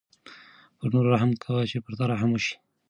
پر نورو رحم کوه چې په تا رحم وشي.